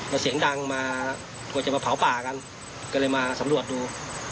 ถ้าเสียงดังมาเพราะผ่าป่ากันเลยมาสำรวจดู